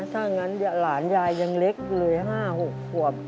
ถ้างั้นหลานยายยังเล็กเลย๕๖ขวบ